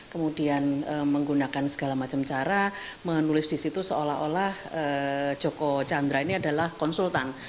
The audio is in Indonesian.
kemudian menggunakan segala macam cara menulis di situ seolah olah joko chandra ini adalah konsultan